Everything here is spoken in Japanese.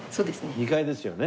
２階ですよね。